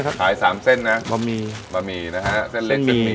ขาย๓เส้นนะบะหมี่เส้นเล็กเส้นหมี่